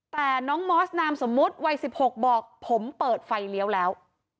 แต่น้องมอสนามสมมุติวัย๑๖บอกผมเปิดไฟเลี้ยวแล้ว